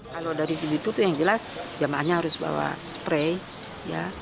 kalau dari tibitur itu yang jelas jamaahnya harus bawa spray